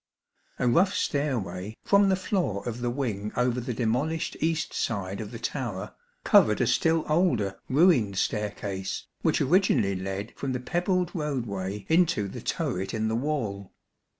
A rough stairway, from the floor of the wing over the demolished east side of the tower, covered a still older ruined staircase, which originally led from the pebbled roadway into the turret in the wall.